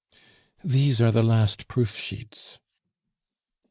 "These are the last proof sheets."